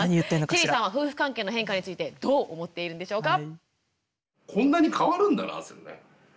チェリーさんは夫婦関係の変化についてどう思っているんでしょうか。